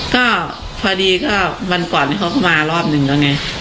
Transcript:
ก็พอดีก็วันก่อนเขาเข้ามารอบหนึ่งแล้วเนี้ย